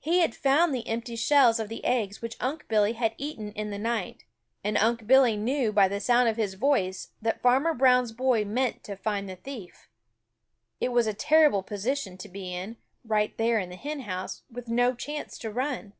He had found the empty shells of the eggs which Unc' Billy had eaten in the night, and Unc' Billy knew by the sound of his voice that Farmer Brown's boy meant to find the thief. It was a terrible position to be in, right there in the hen house, with no chance to run.